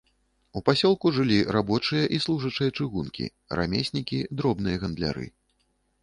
У пасёлку жылі рабочыя і служачыя чыгункі, рамеснікі, дробныя гандляры.